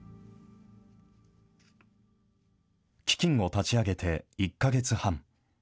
基金を立ち上げて１か月半。